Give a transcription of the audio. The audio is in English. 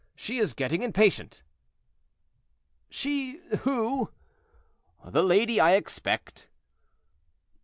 she is getting impatient." "She, who?" "The lady I expect."